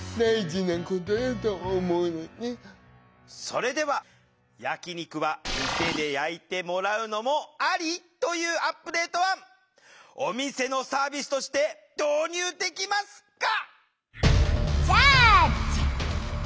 それでは「焼き肉は店で焼いてもらうのもアリ」というアップデート案お店のサービスとして導入できますか？